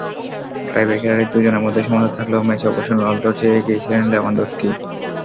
টাইব্রেকারে দুজনের মধ্যে সমতা থাকলেও, ম্যাচে অবশ্য রোনালদোর চেয়ে এগিয়ে ছিলেন লেভানডফস্কিই।